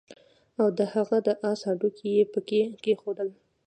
او د هغه د آس هډوکي يې پکي کېښودل